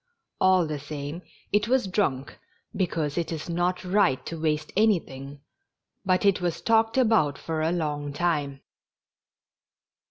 All the same it was drunk, because it is not right to waste anything, but it was talked about for a long time.